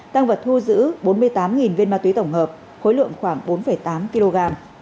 tăng vật thu giữ bốn mươi tám viên ma túy tổng hợp khối lượng khoảng bốn tám kg